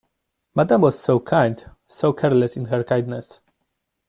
Madame was so kind, so careless in her kindness.